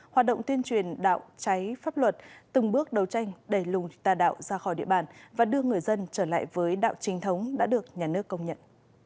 hoạt động tuyên truyền đạo cháy pháp luật từng bước đấu tranh đẩy lùng tà đạo ra khỏi địa bàn và đưa người dân trở lại với đạo trinh thống đã được nhà nước công nhận